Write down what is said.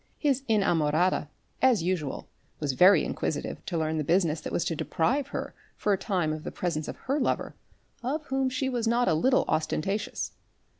His inamorata, as usual, was very inquisitive to learn the business that was to deprive her for a time of the presence of a lover, of whom she was not a little ostentatious.